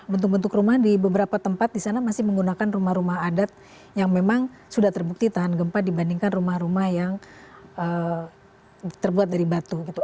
bentuk bentuk rumah di beberapa tempat di sana masih menggunakan rumah rumah adat yang memang sudah terbukti tahan gempa dibandingkan rumah rumah yang terbuat dari batu gitu